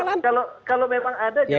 kalau memang ada